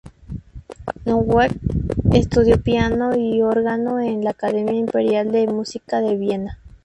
Nowak estudió piano y órgano en la Academia imperial de música de Viena.